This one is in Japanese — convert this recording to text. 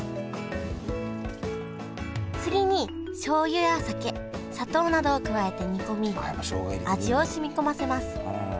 次にしょうゆや酒砂糖などを加えて煮込み味を染み込ませます